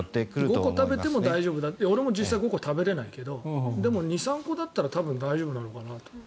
５個食べても大丈夫だ俺も実際５個は食べれないけど２３個だったら多分、大丈夫なのかなと。